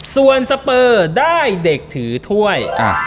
ส่วนสเปอร์ได้เด็กถือถ้วย